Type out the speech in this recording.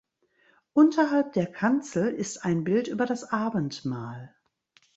Unterhalb der Kanzel ist ein Bild über das Abendmahl.